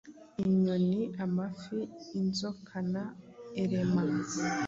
inyoni, amafi, inzokana elema